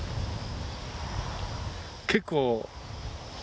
結構。